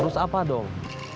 terus apa dong